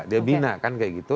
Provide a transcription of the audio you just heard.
dia bina kan kayak gitu